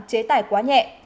chế tải quá nhẹ